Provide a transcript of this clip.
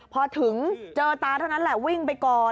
พอถึงเจอตาเท่านั้นแหละวิ่งไปก่อน